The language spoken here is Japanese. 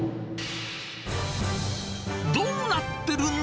どうなってるの？